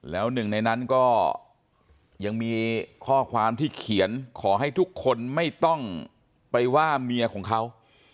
แล้วหนึ่งในนั้นก็ยังมีข้อความที่เขียนขอให้ทุกคนไม่ต้องไปว่าเมียของเขา